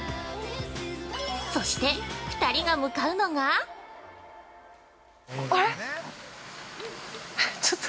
そして２人が向かうのが◆あれっ！？